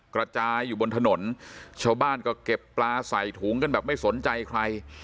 กระจายอยู่บนถนนชาวบ้านก็เก็บปลาใส่ถุงกันแบบไม่สนใจใคร